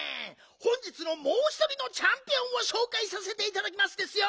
本日のもうひとりのチャンピオンをしょうかいさせていただきますですよ！